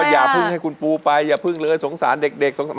อย่าพึ่งให้คุณปุ๊บไปอย่าพึ่งเลยสงสารเด็กเด็ก